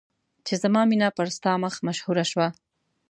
چې زما مینه پر ستا مخ مشهوره شوه.